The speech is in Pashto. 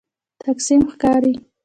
تقسیم ښکاري.